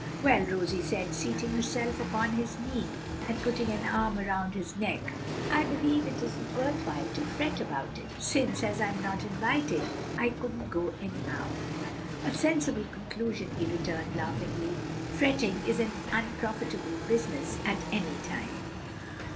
"Well," Rosie said, seating herself upon his knee and putting an arm around his neck, "I believe it isn't worth while to fret about it, since, as I'm not invited, I couldn't go any how." "A sensible conclusion," he returned laughingly. "Fretting is an unprofitable business at any time."